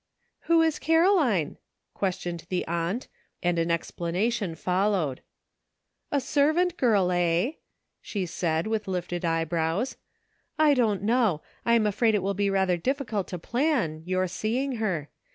''Who is Caroline?" questioned the aunt, and an explanation followed. "A servant girl, eh?" she said, with lifted eyebrows; "I don't know ; I am afraid it will be rather difficult to plan — your seeing her.